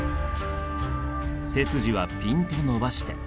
背筋はピンと伸ばして。